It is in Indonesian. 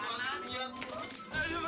aduh mana trans